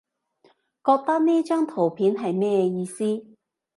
覺得呢張圖片係咩意思？